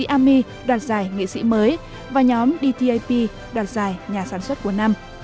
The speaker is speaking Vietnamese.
ami đoạt giải nghị sĩ mới và nhóm dtip đoạt giải nhà sản xuất của năm